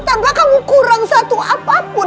tanpa kamu kurang satu apapun